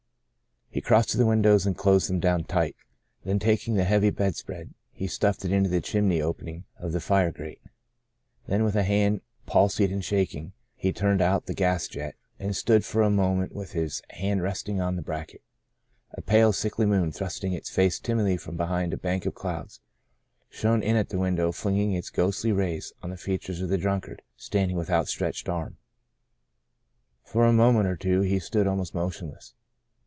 He crossed to the windows and closed them down tight, then taking the heavy bedspread, he stuffed it into the chimney opening of the fire grate. Then with a hand palsied and shaking he turned out the gas jet, and stood for a moment with his hand resting on the bracket. A pale, sickly moon, thrusting its face timidly from behind a bank of clouds, shone in at the window flinging its ghostly rays on the features of the drunkard standing with outstretched arm. For a moment or two he stood almost motionless.